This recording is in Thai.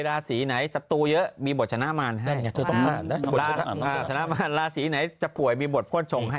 ราศรีไหนจะป่วยมีบทพวดชงค่ะ